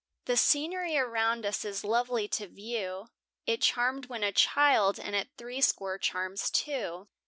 The scenery around us is lovely to view, It charmed when a child, and at three score charms too.